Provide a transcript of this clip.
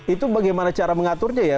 itu bagaimana cara mengaturnya ya